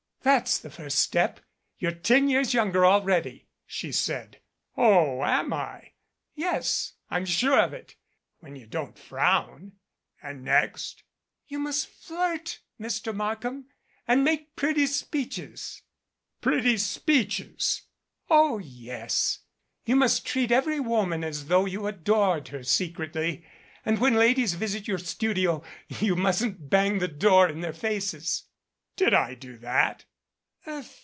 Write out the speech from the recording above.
"That's the first step. You're ten years younger already," she said. "Oh, am I?" "Yes. I'm sure of it when you don't frovrn." "And next?" "You must flirt, Mr. Markham and make pretty speeches " "Pretty speeches !" "Oh, yes you must treat every woman as though you adored her secretly, and when ladies visit your studio you mustn't bang the door in their faces." "Did I do that?"